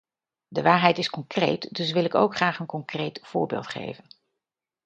De waarheid is concreet, dus wil ik ook graag een concreet voorbeeld geven.